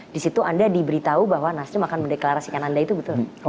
di situ anda diberitahu bahwa nasdem akan mendeklarasikan anda itu betul